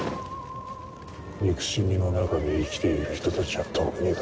憎しみの中で生きている人たちは特にだ。